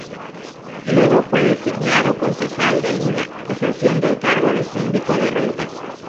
Luego fue designado Concejal de Lima, ejerciendo el cargo de síndico de rentas.